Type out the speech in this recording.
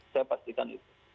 saya pastikan itu